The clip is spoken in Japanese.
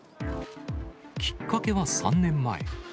きっかけは３年前。